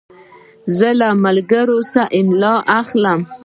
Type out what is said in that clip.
زه له ملګري املا اخلم.